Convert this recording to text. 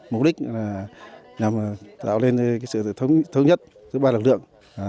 mục đích là dạo lên sự thống nhất giữa ba lực lượng